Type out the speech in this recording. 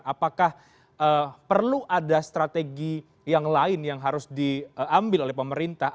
apakah perlu ada strategi yang lain yang harus diambil oleh pemerintah